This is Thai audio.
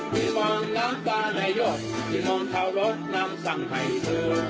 ที่มองน้ำตาแน่ยอดที่มองเท่าหรอกน้ำสั่งให้เธอ